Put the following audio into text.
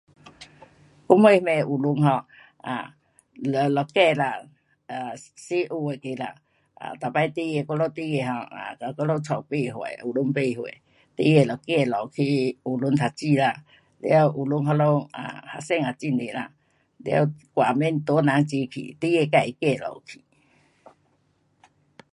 我们那边学堂 um 啊只一间啦，um 小学那个啦，um 每次孩儿我们孩儿 um 跟我们家学堂不远，孩儿就走路去学堂读书啦，了学堂那里 um 学生也很多啦，了我也免大人齐去，孩儿自会走路去。